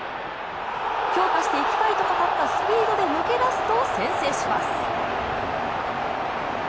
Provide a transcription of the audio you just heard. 強化していきたいと語ったスピードで抜け出すと、先制します。